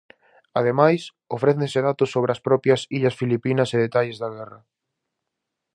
Ademais, ofrécense datos sobre as propias illas Filipinas e detalles da guerra.